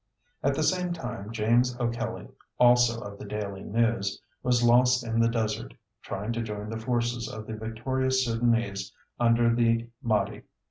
At the same time James O'Kelly, also of the Daily News, was lost in the desert, trying to join the forces of the victorious Sudanese under the Madhi.